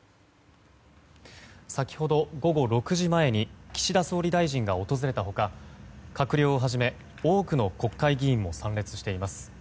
先ほど、午後６時前に岸田総理大臣が訪れた他閣僚をはじめ、多くの国会議員も参列しています。